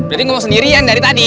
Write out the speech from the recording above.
jadi kamu mau sendirian dari tadi